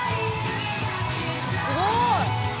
すごい！